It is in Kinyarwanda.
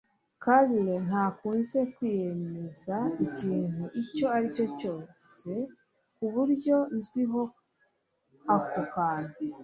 Carl ntakunze kwiyemeza ikintu icyo aricyo cyose kuburyo nzwiho ako kantu